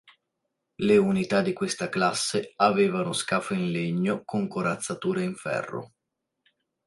Le unità di questa classe avevano scafo in legno con corazzatura in ferro.